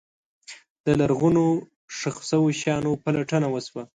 د لرغونو ښخ شوو شیانو پلټنه وشوه.